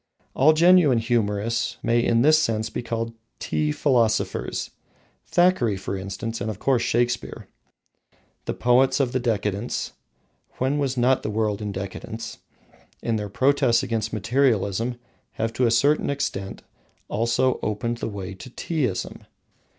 All genuine humourists may in this sense be called tea philosophers, Thackeray, for instance, and of course, Shakespeare. The poets of the Decadence (when was not the world in decadence?), in their protests against materialism, have, to a certain extent, also opened the way to Teaism.